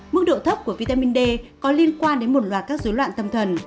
mức độ thấp của vitamin d có liên quan đến một loạt các dối loạn tâm thần